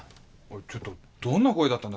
ちょっとどんな声だったんだ？